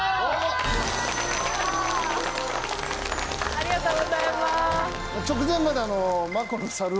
ありがとうございます。